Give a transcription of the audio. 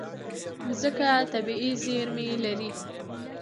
مځکه طبیعي زیرمې لري.